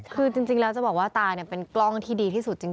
คือจริงแล้วจะบอกว่าตาเป็นกล้องที่ดีที่สุดจริง